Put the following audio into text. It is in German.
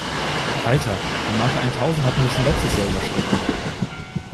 Alter, die Marke eintausend hatten wir schon letztes Jahr überschritten!